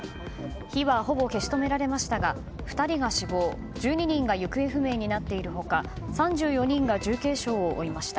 火はほぼ消し止められましたが２人が死亡１２人が行方不明になっている他３４人が重軽傷を負いました。